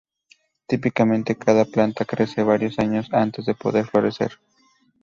Típicamente, cada planta crece varios años antes de poder florecer.